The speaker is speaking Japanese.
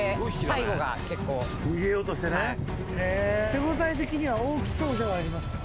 手応え的には大きそうではありますか？